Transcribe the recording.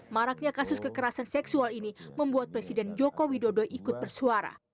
maraknya kasus kekerasan seksual ini membuat presiden joko widodo ikut bersuara